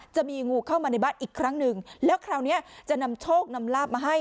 จะมีงูเข้ามาในบ้านอีกครั้งหนึ่งแล้วคราวนี้จะนำโชคนำลาบมาให้